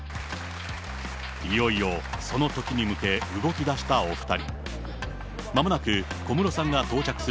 いよいよそのときに向け、動きだしたお２人。